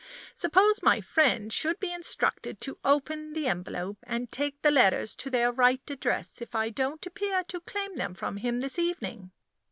Suppose my friend should be instructed to open the envelope, and take the letters to their right address, if I don't appear to claim them from him this evening?